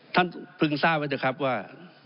ท่านเพิ่งทราบไว้เถอะครับว่า